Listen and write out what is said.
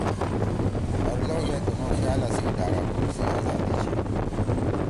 ہر لؤ گے تنو خیال اسی ڈاگا کؤ سی آذادی چھی۔